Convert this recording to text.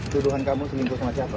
tuduhan kamu selingkuh sama siapa